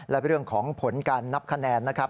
และเรื่องของผลการนับคะแนนนะครับ